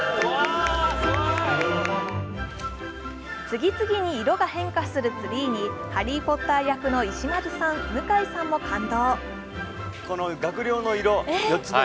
次々に色が変化するツリーにハリー・ポッター役の石丸さん、向井さんも感動。